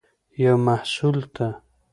یو محصول ته